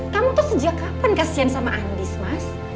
kamu tuh sejak kapan kasian sama andis mas